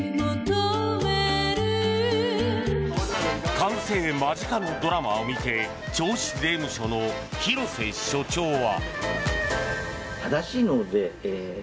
完成間近のドラマを見て銚子税務署の廣瀬署長は。